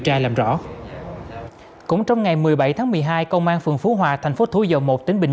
tra làm rõ cũng trong ngày một mươi bảy tháng một mươi hai công an phường phú hòa thành phố thú dầu i tỉnh bình